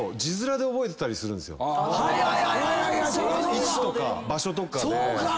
位置とか場所とかで。